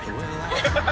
ハハハ！